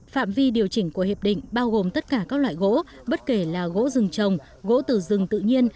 phạm vi điều chỉnh của hiệp định bao gồm tất cả các loại gỗ bất kể là gỗ rừng trồng gỗ từ rừng tự nhiên